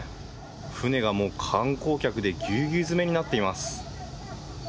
船がもう観光客でぎゅうぎゅう詰めになっています。